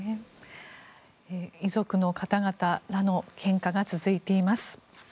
遺族の方々らの献花が続いています。